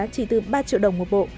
chỉ từ ba triệu đồng một bộ